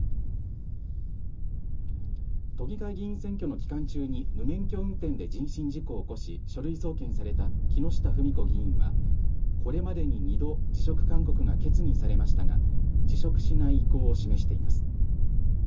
都議会議員選挙の期間中に無免許運転で人身事故を起こし書類送検された木下富美子議員はこれまでに２度辞職勧告が決議されましたが辞職しない意向を示しています。